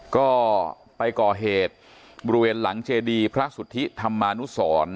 ก็ไปก่อเหตุบริเวณหลังเจดีพระสุทธิธรรมานุสร